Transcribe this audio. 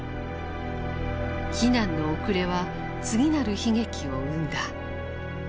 避難の遅れは次なる悲劇を生んだ。